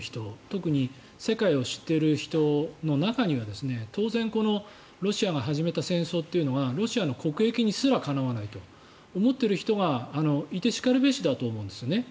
特に世界を知っている人の中には当然、このロシアが始めた戦争というのがロシアの国益にすらかなわないと思っている人がいてしかるべしだと思うんですね。